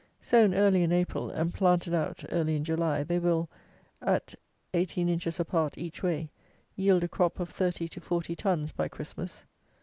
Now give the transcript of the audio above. Sown early in April, and planted out early in July, they will, at 18 inches apart each way, yield a crop of 30 to 40 tons by Christmas.